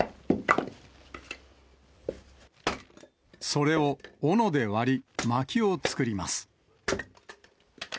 それをおので割り、まきを作ります。